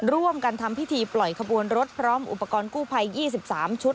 ร่วมกันทำพิธีปล่อยขบวนรถพร้อมอุปกรณ์กู้ภัย๒๓ชุด